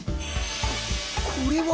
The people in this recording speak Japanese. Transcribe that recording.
ここれは？